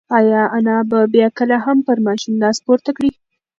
ایا انا به بیا کله هم پر ماشوم لاس پورته کړي؟